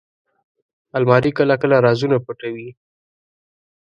الماري کله کله رازونه پټوي